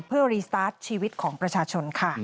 เพื่อรีสตาร์ทชีวิตของประชาชนค่ะ